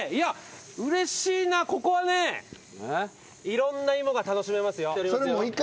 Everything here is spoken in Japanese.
うれしいなここはねいろんな芋が楽しめますよ。